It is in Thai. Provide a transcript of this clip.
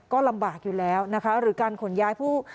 ก็ลำบากอยู่แล้วนะคะหรือการขนย้ายผู้